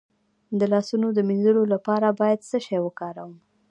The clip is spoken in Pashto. د لاسونو د مینځلو لپاره باید څه شی وکاروم؟